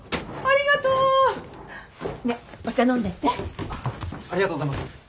ありがとうございます。